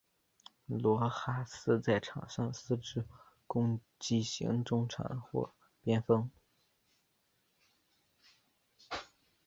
罗哈斯在场上司职攻击型中场或边锋。